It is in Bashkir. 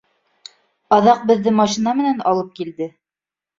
Аҙаҡ беҙҙе машина менән алып килде.